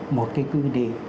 một cái cương vị